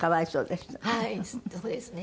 はいそうですね。